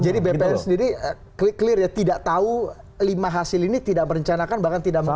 jadi bpn sendiri clear ya tidak tahu lima hasil ini tidak merencanakan bahkan tidak memaksa